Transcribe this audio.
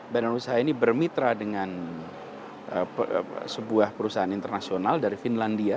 badan usaha ini bermitra dengan sebuah perusahaan internasional dari finlandia